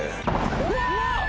・うわ！